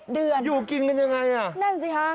เดือนอยู่กินกันยังไงอ่ะนั่นสิฮะ